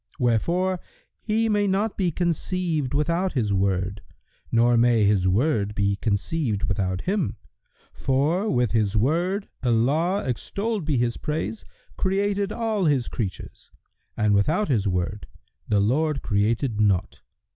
wherefore He may not be conceived without His Word, nor may His Word be conceived without Him; for, with His Word, Allah (extolled be His praise!) created all His creatures, and without His Word, the Lord created naught.